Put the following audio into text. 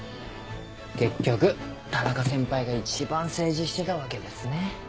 結局田中先輩が一番政治してたわけですね。